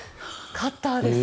カッターです。